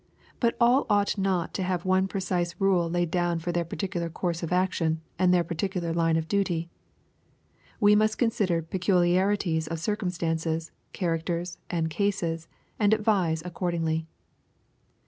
But all ought not to have one precise rule laid down for their particular course of action, and their particular line of duty. We must consider peculiarities of circumstances, characters, and cases, and advise accordingly.